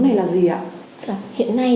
này là gì ạ hiện nay